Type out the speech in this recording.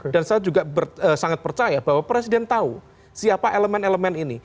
dan saya juga sangat percaya bahwa presiden tahu siapa elemen elemen ini